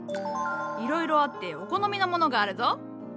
いろいろあってお好みのものがあるぞ。